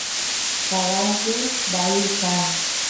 caballu bayu kan